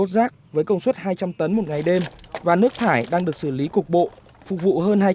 rác với công suất hai trăm linh tấn một ngày đêm và nước thải đang được xử lý cục bộ phục vụ hơn hai trăm linh